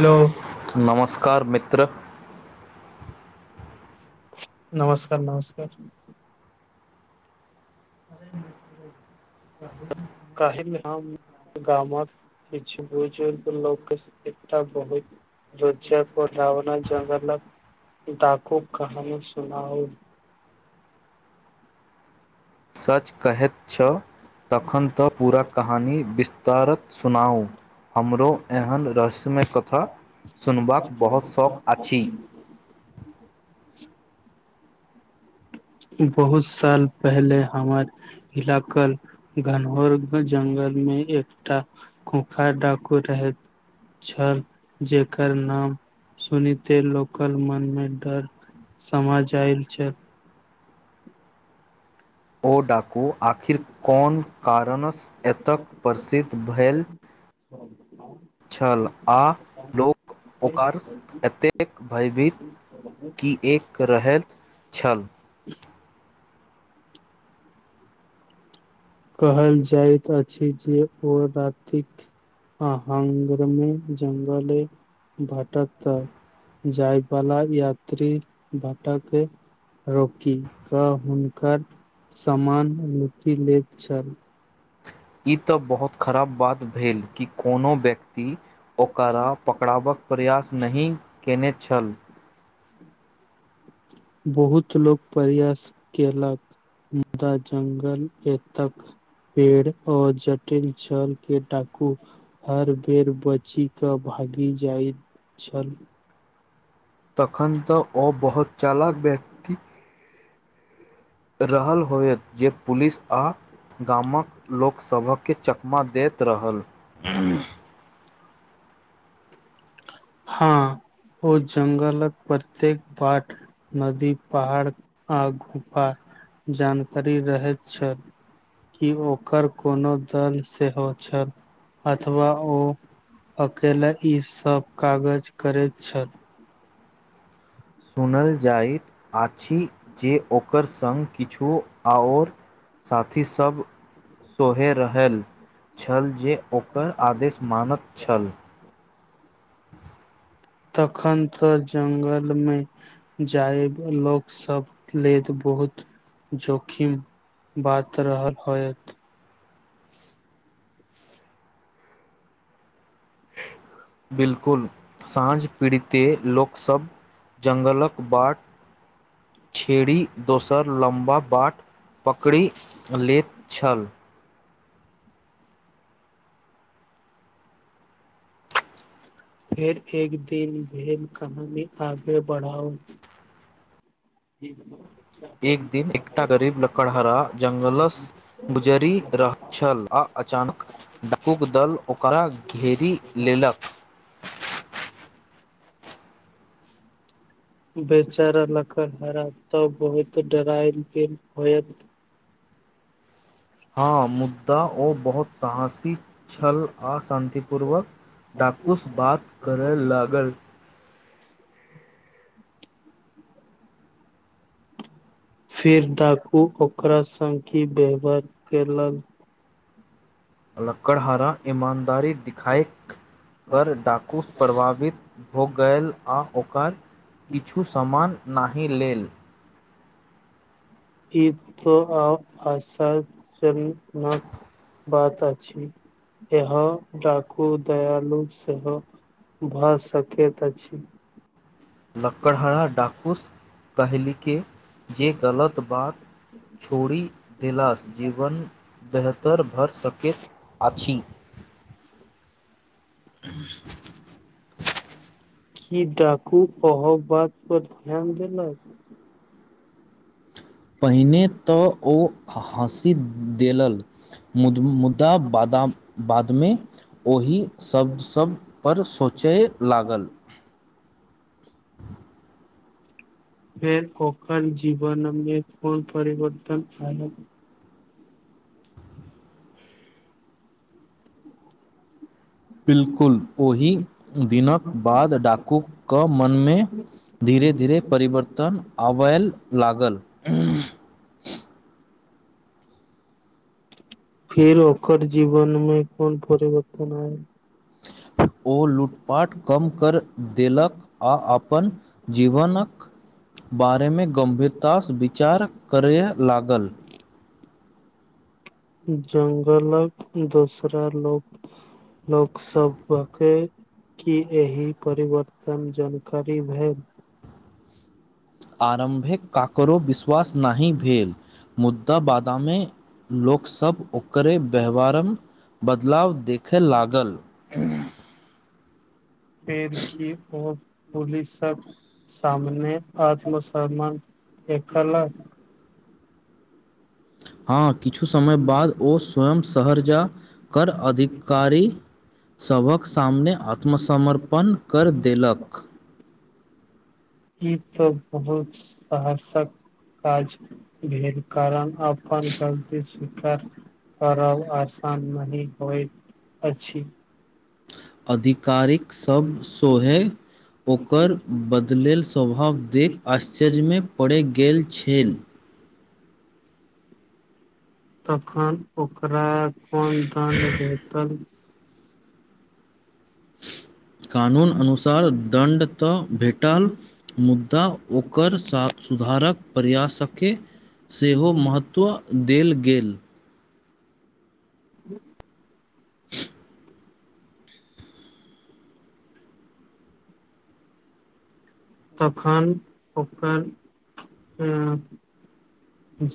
hello नमस्कार मित्र नमस्कार नमस्कार कहि म गामात किछु बुजुर्ग लोकके एकटा बहुत रोजज को रावना जंगल डाकू कहानी सुनाउ सच कहैत छह तखन तऽ पूरा कहानी विस्तारत सुनाउ हमरो एहन रहस्यमय कथा सुनबाक बहुत शौक अछि ह [unintelligible] बहुत साल पहिले हमर इलाका घनघोर जल बन मे एकटा खूंखार डाकू रहैत छल जेकर नाम सुनिते लोकल मन मे डर समजायल छै ओ डाकू आखिर कोन छल कारणसँ एतय प्रसिद्ध भेल हँ [unintelligible] छल आ लोक ओकर एतेक भयभीत कीए रहैत छल कहल जाइत अछि जे ओ रातिक आांग्रमे जंगल भाट्त जाइवाला यात्री भाटा के रोकि कऽ हुनकर सामान लुटि लैत छल ई तऽ बहुत खराब बात भेल कि कोनो व्यक्ति ओकरा पकड़ाबक प्रयास नहि कयने छल बहुत लोको प्रयास केलक मुदा जंगल ए तक पेड़ आऔर जटिल जल के डाकू हर बेर बची कऽ भागि जाइत छल तखन तऽ ओ बहुत चालक व्यक्ति रहल होयत जे पुलिस आ गामक लोकसभकँ चकमा दैत रहल हँ ओ ज्ंगलक प्रत्येक पाठ नदी पहाड़ आ गुफा जानकारी रहैत छल कि ओकर कोनो दल सेहो छल अथवा ओ अकेला ई सभ कागज करैत छल सुनल जाइत अछि जे ओकर संग किछु आओर साथी सब सोहे रहल छल जे ओकर आदेश मानैत छल तखन तऽ जंगल मे जाय लोक सब ले बहुत जोखिम बात रहल होयत बिलकुल साँझ पैड़ीतै लोकस जंगललक बाट छेड़ी दोसर लम्बा बाट पकड़ि लैत छल फेर एक दिन भेर कहानी आगे बढ़ाउ ठ [unintelligible] एक दिन एकटा गरीब लकड़हराा जङंगलस गुजरि रहल छल आ अचानक डाकूक दल ओकरा घेरी लेल तिलफ बेचारा लकड़हरा त बड्ड डराल गेल होइत हँ मुद्दा ओ बहुत साहसी छल आ शान्तिपूर्वक डाकूसँ बात करय लागल [inaudible] [inaudible] फिर डाकू ओकरा सङखी व्यवहार केलक लकड़हारा ईमानदारी दिखाएक कर डाकूस प्रभावित हो गल आ ओकर किछु सामान नहि लेल ई त आ आशा सँ मुक्त बात अछि इ डाकु दयालु सेहो भऽ सक तऽ छै लक्कड़हरा डाकूस कहलकै जे गलत बात छोड़ि देलासँ जीवन बेहतर भऽ सकैत अछि ह [inaudible] की डाकू तोहर बात पर ध्यान देलक पहिने तऽ ओ हँसि देलल मुदा बादाम बादमे ओहि सब सबपर सोचय लागल फेर ओखल जीवनमे कोन परिवर्तन आय बिलकुल ओहि दिनक बाद डाकूके मनमे धीरे धीरे परिवर्तन आबयल लागल फिर ओकर जीवन मे कोन परिवर्तन आय [inaudible] ओ लूटपाट कम कर देलक आ अपन जीवनक बारेमे गम्भीरतासँ विचार करय लागल जंगलक दोसरा लोक लोक सब भके की एहि परिवर्तन जानकारी भेल आरम्भे ककरो विश्वास नहि भेल मुद्दा बादामे लोकसभ ओकरे व्यवहारमे बदलाव देखय लागल पेड़ की ओर पुलिस सब सामने आत्मस्मान एक अलग हँ किछु समय बाद ओ स्वयं शहर जा कर अधिकारी सभक सामने आत्मसमर्पण र्पण करि देलक ई तऽ बहुत साहसक काज भेल कारण अपन गलती स्वीकार करव आसान नहि होइत अछि आधिकारिक सभ सोहे ओकर बदलल स्वभाव देख आश्चर्यमे पड़ि गेल छेल तखन ओकरा कोन दण्ड भेटल कानून अनुसार दण्ड तऽ भेटल मुद्दा ओकर सा सुधारक प्रयासके सेहो महत्व देल गेल ह [inaudible] तखन ओकर हँ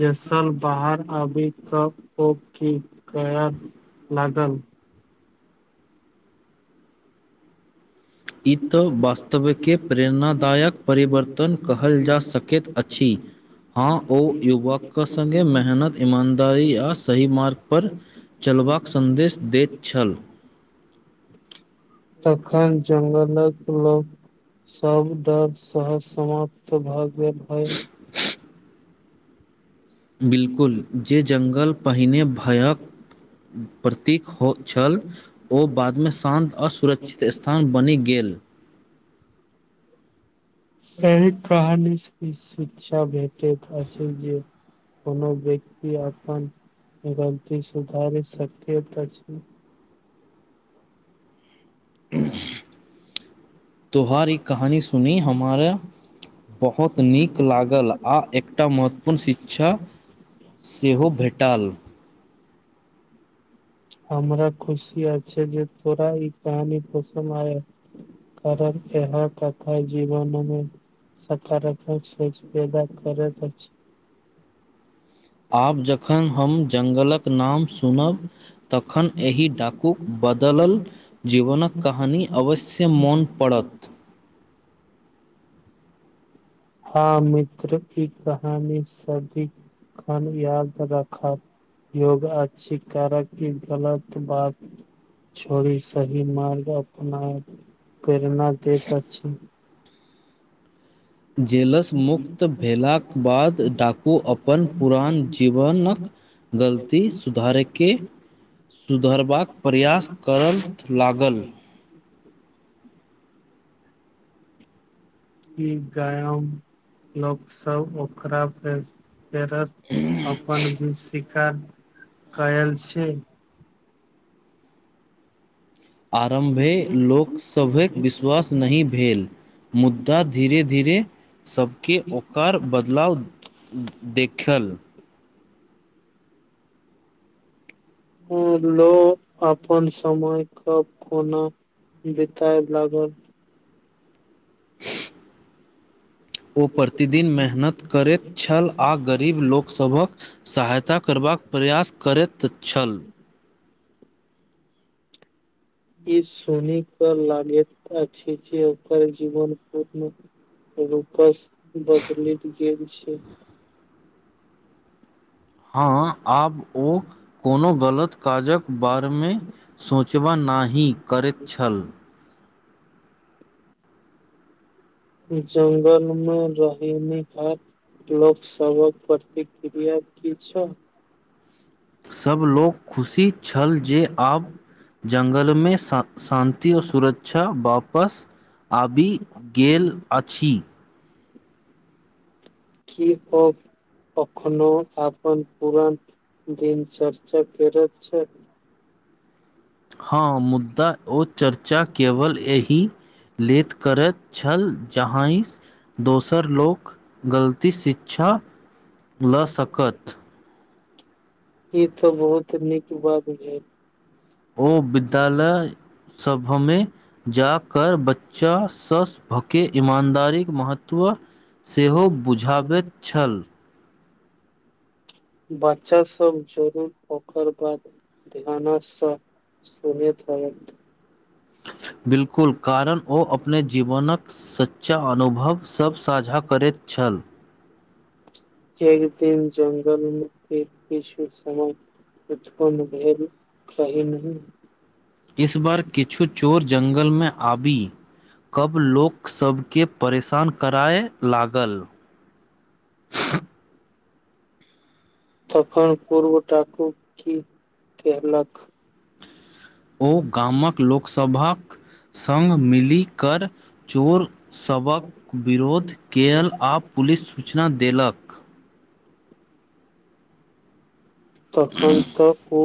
जैसल बाहर आबि कऽ ओ की करय लाग गल ई तऽ वास्तवके प्रेरणादायक परिवर्तन कहल जा सकैत अछि हँ ओ युवक कऽ संगे मेहनत ईमानदारी आ सही मार्ग पर चलबाक सन्देश दैत छल तखन जंगलक लोक सब डर सह समाप्त भगेल हय बिलकुल जे जंगल पहिने भयक प्रतीक हो छल ओ बादमे शान्त आ सुरक्षित स्थान बनि गेल ल [inaudible] सही कहानीसँ ई शिक्षा भेटैत अछि जे कोनो व्यक्ति अपन गलती सुधारी सकैत अछि उंह तोहार ई कहानी सुनी हमारा बहुत नीक लागल आ एकटा महत्वपूर्ण शिक्षा सेहो भेटल हमरा खुशी अछि जे तोरा ई कहानी पसन्द आयल कारण इहे कथा जीवनमे सकारखक भेदा करैत अछि आब जखन हम जङ्गलक नाम सुनब तखन एहि डाकूक बदलल जीवनक कहानी अवश्य मोन पड़ पड़त हँ मित्र ई कहानी सदी खन याद राखब योग अछि करक कि गलत बात छोड़ी सही मार्ग अपना प्रेरणा दैत अछि जेलसँ मुक्त भेलाक बाद डाकू अपन पुरान जीवनक गलती सुधारैके सुधरबाक प्रयास करय लागल ई गायम लोक सब ओकरा फेर रस अपन भी शिकार कयल छै आरम्भे लोक सभक विश्वास नहि भेल मुद्दा धीरे धीरे सभके ओकर बदलाव देखल हँ आब लो अपन समय कऽ कोना बिताय लागल [inaudible] ओ प्रतिदिन मेहनत करैत छल आ गरीब लोकसभक सहायता करबाक प्रयास करैत छल ई सुनीक लागैत अछि जे ओक जीवन पूर्ण रूपस बदलि गेल छै हँ आब ओ कोनो गलत काजक बारेमे सोच उचबा नहि करैत छल जंगल मे रहमी हेथ लोक सबक प्रतिक्रिया की छै सभ लोक खुशी छल जे आब जङ्गलमे शा शान्ततिओ सुरक्षा वापस आबि गेल अछि की ओ कखनो अपन पुरान दिन चर्चा करैत छै हँ मुद्दा ओ चर्चा केवल एहि लेल करैथि छल जहाइस दोसर लोक गलती शिक्षा लऽ सकत ई तो बहुत नीक बात ह ओ विद्यालय सभमे [unintelligible] जा कर बच्चा सभ के ईमानदारी क महत्व सेहो बुझाबैत छल बच्चा सब जरूर ओ कर बाद ध्यान स सुनइत हेत बिलकुल कारण ओ अपने जीवनक सच्चा अनुभव सब साझा करैत छल एकदिन जङ्ल में एक ईश्वर समान उत्पन्न भेल कहि नहि इस बार किछु चोर जङ्ंगल मे आबी कब लोक सबके परेशान करय लागल तखन पूर्व डाकू की कहलक ओ गामक लोकसभक सङ्ग मिलिकर चोर सभक विरोध के ल आ पुलि के सूचना देलक तखन तऽ ओ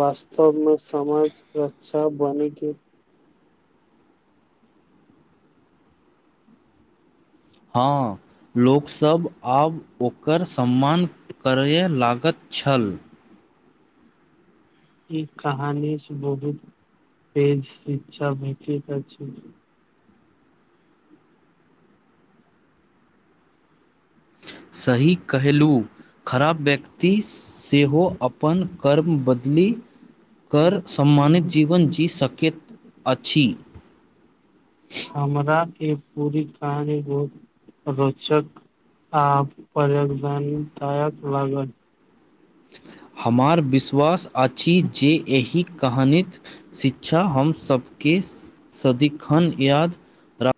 बास्त सब में समाज रक्षा बने के हँ लोकसभ आब ओकर सम्मान करय लागत छल ई कहानी बहुत पेज इच्छा भेटइत अछि सही कहेलूँ खराब व्यक्ति सेहो अपन कर्म बदलि कर सम्मानित जीवन जी सकेत अछि हमरा के पूरी कहानी बहुत रोचक आ पर्यधन दायक लागत हमार विश्वास आछि जे एहि कहानी क शिक अच्छा हम सभ के सदिखन याद राख